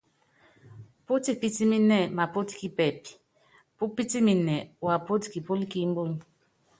Putipitimɛ mapɔt kipɛp, pupitimɛ wapɔt kipɔl ki mbuny.